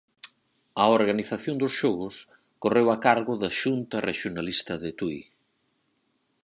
A organización dos xogos correu a cargo da Xunta Rexionalista de Tui.